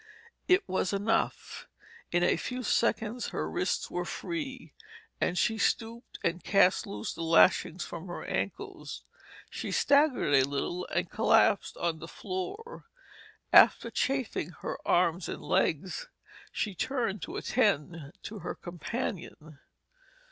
It was enough. In a few seconds her wrists were free and she stooped and cast loose the lashings from her ankles. She staggered a little and collapsed on the floor. After chafing her arms and legs, she turned to attend to her companion.